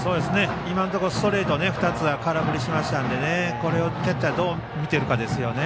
今のところストレート２つは空振りしましたのでこれをキャッチャーどう見ているかですよね。